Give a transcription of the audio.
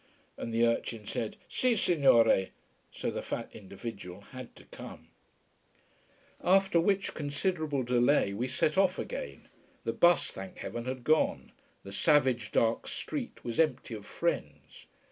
and the urchin said: "Si signore" so the fat individual had to come. After which considerable delay, we set off again. The bus, thank heaven, had gone, the savage dark street was empty of friends.